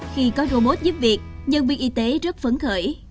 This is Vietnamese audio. khi có robot giúp việc nhân viên y tế rất phấn khởi